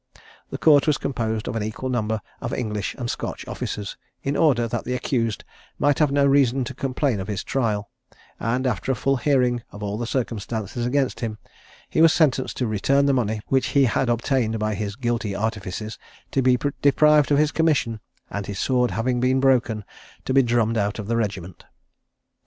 The court was composed of an equal number of English and Scotch officers, in order that the accused might have no reason to complain of his trial; and after a full hearing of all the circumstances against him, he was sentenced to return the money which he had obtained by his guilty artifices, to be deprived of his commission, and his sword having been broken, to be drummed out of the regiment.